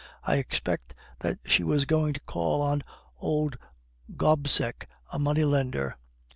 "I expect that she was going to call on old Gobseck, a money lender.